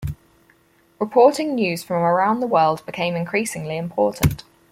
Reporting news from around the world became increasingly important.